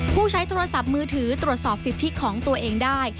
ผู้ใช้โทรศัพท์มือถือตรวจสอบสิทธิของตัวเองได้